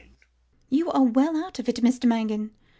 You are well out of it, Mr Mangan.